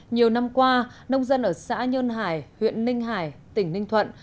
nhiều năm qua nông dân ở xã nhơn hải huyện ninh hải tỉnh ninh thuận